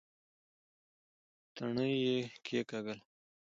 تڼۍ يې کېکاږله.